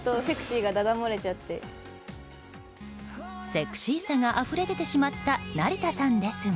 セクシーさがあふれ出てしまった成田さんですが。